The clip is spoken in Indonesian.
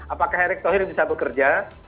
apakah erick thohir bisa bekerja